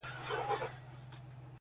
چي مي دا خپلي شونډي،